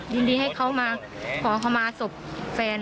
ยินดีให้เขามาขอเข้ามาศพแฟน